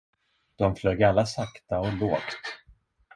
De flög alla sakta och lågt.